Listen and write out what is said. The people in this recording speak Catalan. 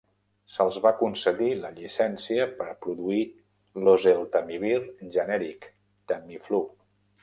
Se'ls va concedir la llicència per produir l'oseltamivir genèric - Tamiflu.